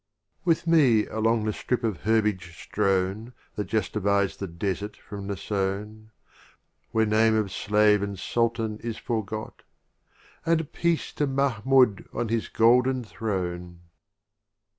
XI. With me along the strip of Herb age strown That just divides the desert from the sown, Where name of Slave and Sultan is forgot — And Peace to Mahmiid on his golden Throne!